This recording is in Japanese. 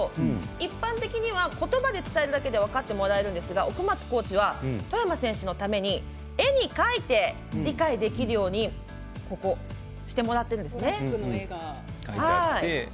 一般的にはことばで伝えるだけで分かってもらえるんですが奥松コーチは外山選手のために絵に描いて、理解できるようにここ、してもらってるんですね。